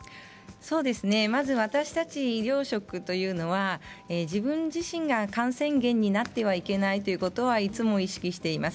まず私たち医療職というのは自分自身が感染源になってはいけないということはいつも意識しています。